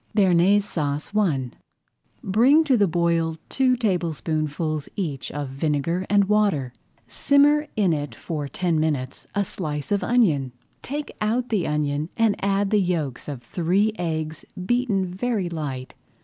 BEARNAISE SAUCE I Bring to the boil two tablespoonfuls each of vinegar and water. Simmer in it for ten minutes a slice of onion. Take out the onion and add the yolks of three eggs beaten very light.